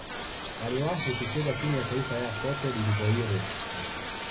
Aliwahi kucheza timu ya taifa ya Cote d'Ivoire.